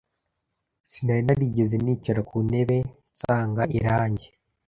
Sinari narigeze nicara ku ntebe nsanga irangi.